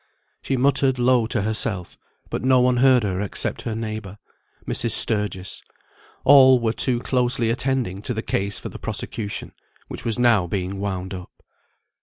She muttered low to herself, but no one heard her except her neighbour, Mrs. Sturgis; all were too closely attending to the case for the prosecution, which was now being wound up.